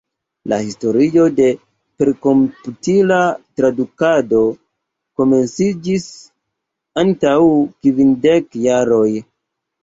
La historio de perkomputila tradukado komenciĝis antaŭ kvindek jaroj.